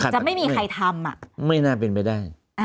จะไม่มีใครทำไม่น่าเป็นไปได้